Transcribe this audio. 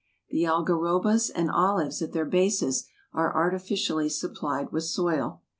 The algarobas and olives at their bases are artificially supplied with soil.